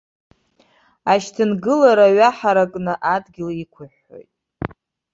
Ашьҭынгылара ҩаҳаракны адгьыл иқәыҳәҳәоит.